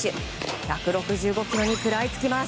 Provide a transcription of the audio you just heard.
１６５キロに食らいつきます。